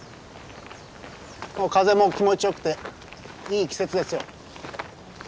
風も気持ちよくていい季節ですよ。